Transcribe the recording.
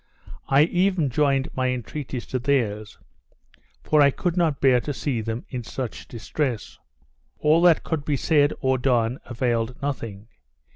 I even joined my entreaties to theirs; for I could not bear to see them in such distress. All that could be said, or done, availed nothing.